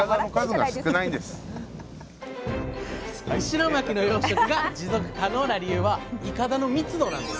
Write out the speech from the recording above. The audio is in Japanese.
石巻の養殖が持続可能な理由はいかだの密度なんです。